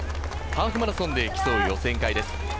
ハーフマラソンで競う予選会です。